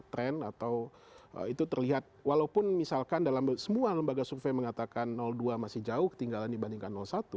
trend atau itu terlihat walaupun misalkan dalam semua lembaga survei mengatakan dua masih jauh ketinggalan dibandingkan satu